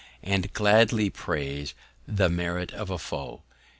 And gladly praise the Merit of a Foe.